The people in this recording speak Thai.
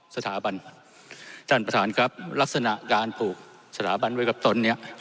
สถาบันท่านประธานครับลักษณะการปลูกสถาบันไว้กับตนเนี่ย